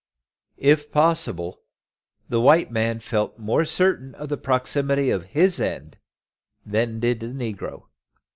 If possible, the white man felt more certain of the proximity of his end than did the negro.